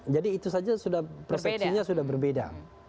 jadi itu saja sudah persepsinya berbeda